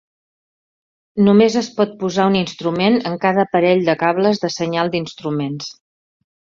Només es pot posar un instrument en cada parell de cables de senyal d'instruments.